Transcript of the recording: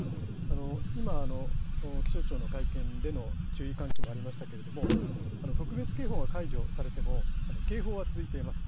今、気象庁の会見での注意喚起もありましたけれども、特別警報が解除されても、警報は続いています。